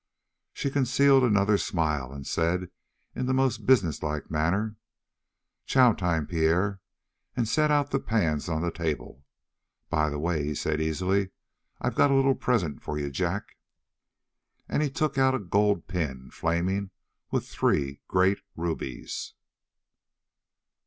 She concealed another smile, and said in the most businesslike manner: "Chow time, Pierre," and set out the pans on the table. "By the way," he said easily, "I've got a little present for you, Jack." And he took out a gold pin flaming with three great rubies.